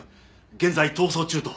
現在逃走中と。